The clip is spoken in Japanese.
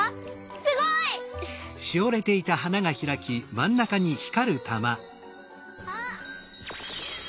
すごい！あっ！